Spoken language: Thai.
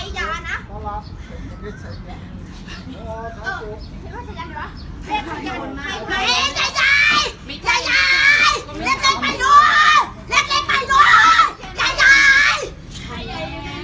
เดี๋ยวให้เขากลับมาลุ้นให้เขาไปขอเข้ามาได้ไหม